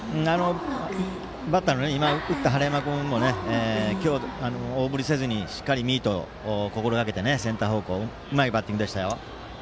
バッターの今、打った晴山君も今日、大振りせずにしっかりミート心がけてセンター方向にうまいバッティングでしたよ。